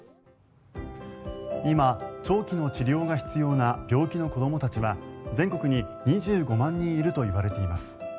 今、長期の治療が必要な病気の子どもたちは全国に２５万人いるといわれています。